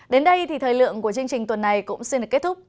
đến đây thì thời lượng của chương trình tuần này cũng xin được kết thúc